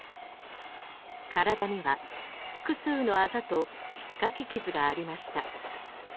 体には複数のあざとひっかき傷がありました。